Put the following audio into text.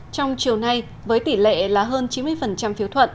trong chiều nay với tỷ lệ là hơn chín mươi phiếu thuận